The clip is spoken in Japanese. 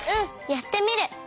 やってみる！